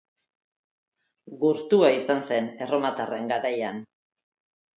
Gurtua izan zen erromatarren garaian.